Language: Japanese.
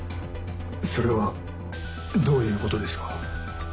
それはどういうことですか？